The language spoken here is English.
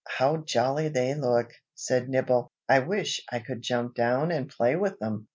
"How jolly they look!" said Nibble. "I wish I could jump down and play with them!